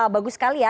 bagus sekali ya